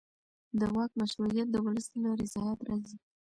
د واک مشروعیت د ولس له رضایت راځي